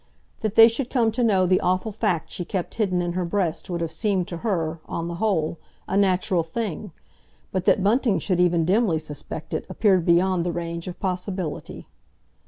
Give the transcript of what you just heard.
That they should come to know the awful fact she kept hidden in her breast would have seemed to her, on the whole, a natural thing, but that Bunting should even dimly suspect it appeared beyond the range of possibility.